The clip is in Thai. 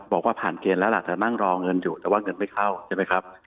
บอกว่าผ่านเกณฑ์แล้วล่ะแต่นั่งรอเงินอยู่แต่ว่าเงินไม่เข้าใช่ไหมครับ